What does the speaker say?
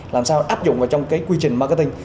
làm sao áp dụng vào trong cái quy trình marketing